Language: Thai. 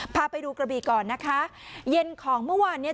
พาไปดูกระบีก่อนนะคะเย็นของเมื่อวานเนี้ย